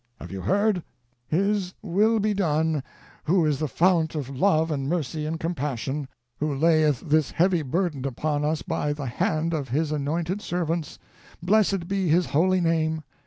Have you heard ?" "His will be done, Who is the Fount of love and mercy and compassion, Who layeth this heavy burden upon us by the hand of His anointed servants — blessed be His holy Name